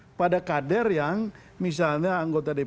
memang problemnya kemudian yang dibebani oleh partai politik itu adalah